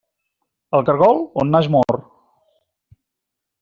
El caragol, on naix mor.